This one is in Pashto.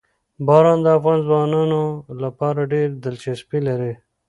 باران د افغان ځوانانو لپاره ډېره دلچسپي لري.